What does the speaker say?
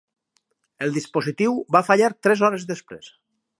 El dispositiu va fallar tres hores després.